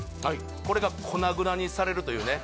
これが粉々にされるというね